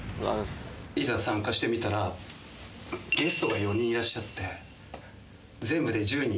いざ参加してみたら、ゲストが４人いらっしゃって、全部で１０人。